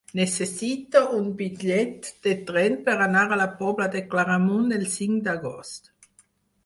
Necessito un bitllet de tren per anar a la Pobla de Claramunt el cinc d'agost.